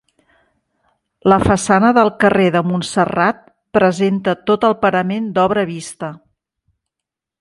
La façana del carrer de Montserrat presenta tot el parament d'obra vista.